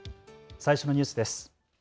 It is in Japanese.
最初のニュースです。